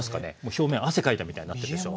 表面汗かいたみたいになってるでしょ。